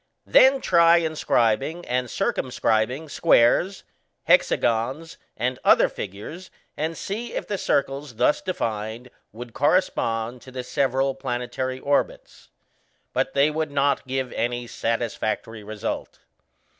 Then try inscribing and circumscribing squares, hexagons, and other figures, and see if the circles thus defined would correspond to the several planetary orbits. But they would not give any satisfactory result.